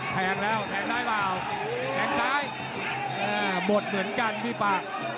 แทงแล้วแทงได้ป่าว